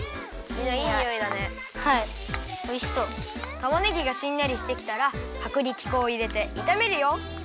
たまねぎがしんなりしてきたらはくりき粉をいれていためるよ！